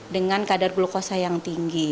dengan kadar glukosa yang tinggi